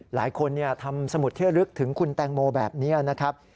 หลายคนทำสมุดเที่ยวลึกถึงคุณแตงโมแบบนี้นะครับ